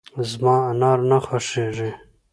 زما انار نه خوښېږي .